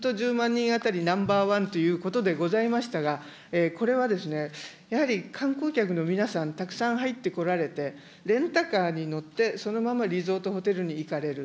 人当たりナンバーワンということでございましたが、これはやはり観光客の皆さん、たくさん入ってこられて、レンタカーに乗って、そのままリゾートホテルに行かれる。